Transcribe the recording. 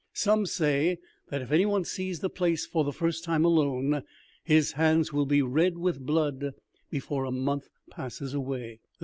Some say that if any one sees the place for the first time alone, his hands will be red with blood before a month passes away."